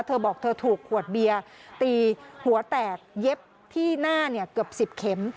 เธอบอกเธอถูกขวดเบียร์ตีหัวแตกเย็บที่หน้าเกือบ๑๐เข็ม